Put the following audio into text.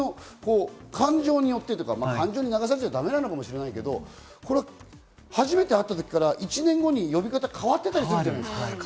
感情によって流されちゃだめかもしれないけど、初めて会った時から１年後に呼び方変わってたりするじゃないですか。